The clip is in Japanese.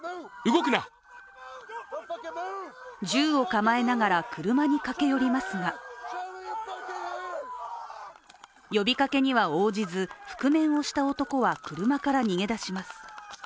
銃を構えながら車に駆け寄りますが呼びかけには応じず覆面をした男は車から逃げ出します。